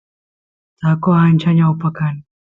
taqo ancha ñawpa kan